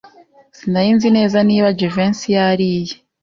Sinari nzi neza niba Jivency yariye.